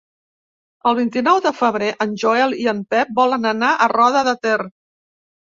El vint-i-nou de febrer en Joel i en Pep volen anar a Roda de Ter.